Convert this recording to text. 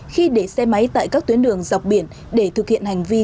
khi để xe máy tại các tuyến đường dọc biển để thực hiện hành vi